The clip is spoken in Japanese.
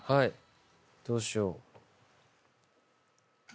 どうしよう。